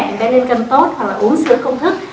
em bé lên cân tốt hoặc là uống sữa công thức